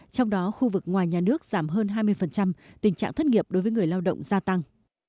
trong đó khu vực ngoài nhà nước giảm hơn hai mươi tình trạng thất nghiệp đối với người lao động gia tăng